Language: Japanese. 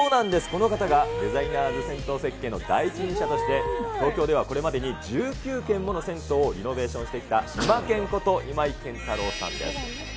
この方がデザイナーズ銭湯設計の第一人者として、東京ではこれまでに１９軒もの銭湯をリノベーションしてきた、イマケンこと今井健太郎さんです。